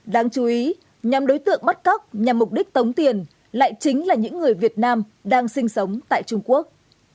đáng chú ý nhóm đối tượng bắt cóc nhằm mục đích tống tiền lại chính là những người việt nam đang sinh sống tại trung quốc